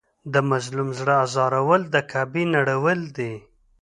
د مظلوم زړه ازارول د کعبې نړول دي.